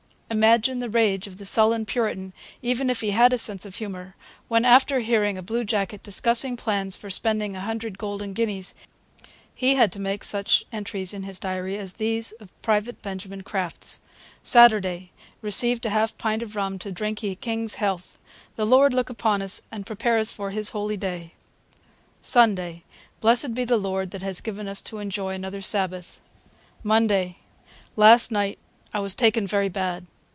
Imagine the rage of the sullen Puritan, even if he had a sense of humour, when, after hearing a bluejacket discussing plans for spending a hundred golden guineas, he had to make such entries in his diary as these of Private Benjamin Crafts: 'Saturday. Recd a half pint of Rum to Drinke ye King's Health. The Lord look upon Us and prepare us for His Holy Day. Sunday. Blessed be the Lord that has given us to enjoy another Sabath. Monday. Last Night I was taken verry Bad.